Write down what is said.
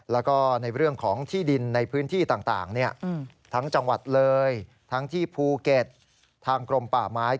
แล้วก็ในเรื่องของที่ดินในพื้นที่ต่างทั้งจังหวัดเลยทั้งที่ภูเก็ตทางกรมป่าไม้